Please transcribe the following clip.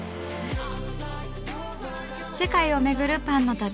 世界をめぐるパンの旅。